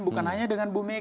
bukan hanya dengan bu mega